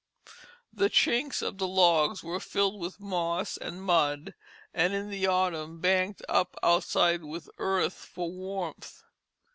The chinks of the logs were filled with moss and mud, and in the autumn banked up outside with earth for warmth.